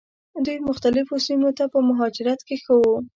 دوی مختلفو سیمو ته په مهاجرت کې ښه وو.